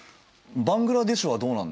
バングラデシュはどうなんだ？